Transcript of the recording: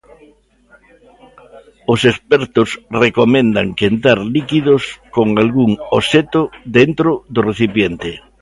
Os expertos recomendan quentar líquidos con algún obxecto dentro do recipiente.